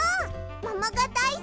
ももがだいすき！